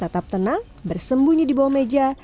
tetap tenang bersembunyi di bawah meja